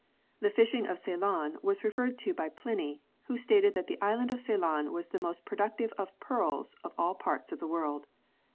The fishing of Ceylon was referred to by Pliny, who stated that the island of Ceylon was the most productive of pearls of all parts of the world.